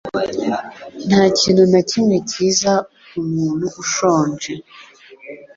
Nta kintu na kimwe kiza ku muntu ushonje